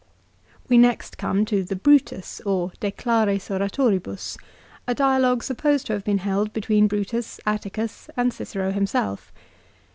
We next come to the " Brutus," or "De Claris Oratoribus," a dialogue supposed to have been held between Brutus, Atticus, and Cicero himself.